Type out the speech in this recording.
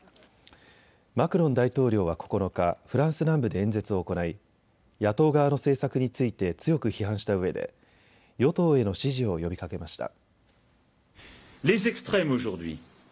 マクロン大統領は９日、フランス南部で演説を行い野党側の政策について強く批判したうえで与党への支持を呼びかけました。